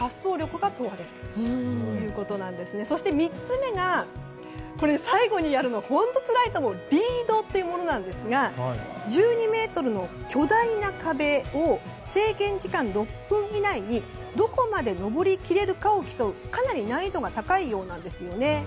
そして３つ目が最後にやるの、本当につらいと思いますが、リードといって１２ｍの巨大な壁を制限時間６分以内にどこまで登りきれるかを競うかなり難易度が高いようなんですよね。